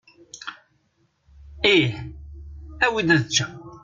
Ih. Awi-d ad eččeɣ.